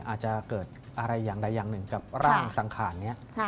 อาจจะเกิดอะไรอย่างใดอย่างหนึ่งกับร่างสังขารนี้